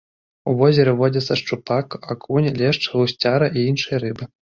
У возеры водзяцца шчупак, акунь, лешч, гусцяра і іншыя рыбы.